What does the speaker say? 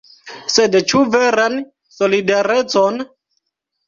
Sed ĉu veran solidarecon?